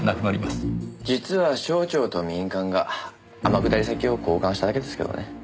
実は省庁と民間が天下り先を交換しただけですけどね。